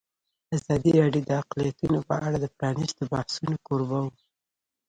ازادي راډیو د اقلیتونه په اړه د پرانیستو بحثونو کوربه وه.